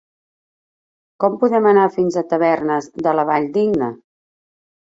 Com podem anar fins a Tavernes de la Valldigna?